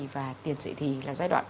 và tiền dễ thì là giai đoạn